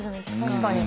確かに。